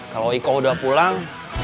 kalau iko udah pulang